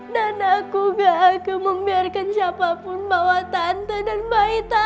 dan aku gagal membiarkan siapa pun bawa tante dan bayi tante